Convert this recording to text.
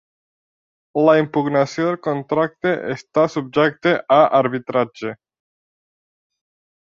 La impugnació del contracte està subjecte a arbitratge.